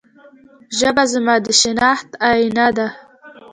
ژبه زموږ د شناخت آینه ده.